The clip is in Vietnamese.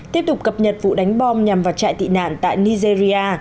tiếp tục cập nhật vụ đánh bom nhằm vào trại tị nạn tại nigeria